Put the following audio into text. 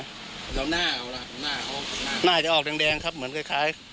รอหน้าเอาแล้วหน้าจะออกแดงครับเหมือนคล้าย